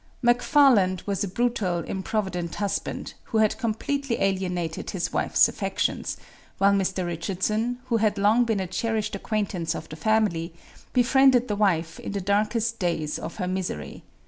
McFarland was a brutal, improvident husband, who had completely alienated his wife's affections, while Mr. Richardson, who had long been a cherished acquaintance of the family, befriended the wife in the darkest days of her misery.